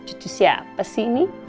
cucu siapa sih ini